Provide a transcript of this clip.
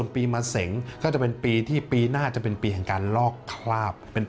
ปีมะเสงค่ะเป็นปีที่ปีหน้าในปีที่จะเป็นปีของการลอกคลาบ